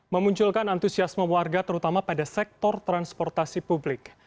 memunculkan antusiasme warga terutama pada sektor transportasi publik